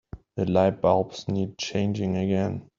The lightbulbs need changing again.